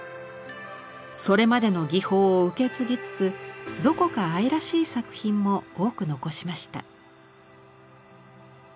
それまでの技法を受け継ぎつつどこか愛らしい作品も多く残しました。